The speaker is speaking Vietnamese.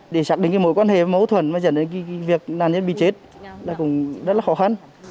để xác định mối quan hệ mẫu thuần mà dẫn đến việc nạn nhân bị chết cũng rất là khó khăn